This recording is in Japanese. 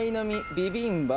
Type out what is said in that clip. ビビンバ。